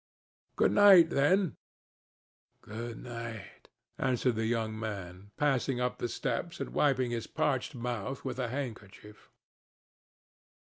"Good night, then." "Good night," answered the young man, passing up the steps and wiping his parched mouth with a handkerchief.